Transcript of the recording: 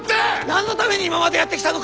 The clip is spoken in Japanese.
何のために今までやってきたのか！